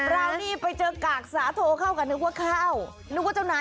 บราวนี่ไปเจอกากสาโทเข้ากัน